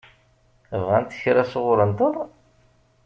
Bɣant kra sɣur-nteɣ?